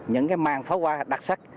những cái màn pháo qua đặc sắc